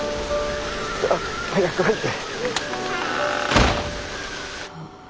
さあ早く入って。